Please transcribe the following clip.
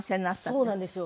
そうなんですよ。